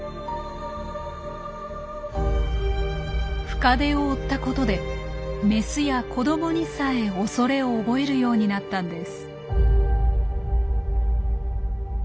深手を負ったことでメスや子どもにさえ恐れを覚えるようになったんです。